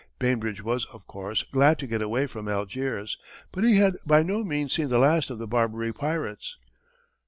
Bainbridge was, of course, glad to get away from Algiers, but he had by no means seen the last of the Barbary pirates.